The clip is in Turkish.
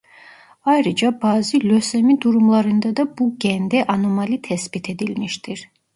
Ayrıca bazı lösemi durumlarında da bu gende anomali tespit edilmiştir.